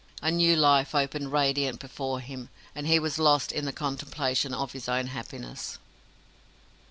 A new life opened radiant before him, and he was lost in the contemplation of his own happiness.